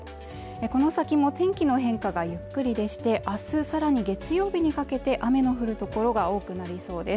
この先も天気の変化がゆっくりでして、明日さらに月曜日にかけて雨の降るところが多くなりそうです。